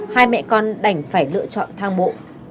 hai mẹ con đành phải lựa chọn thang bộ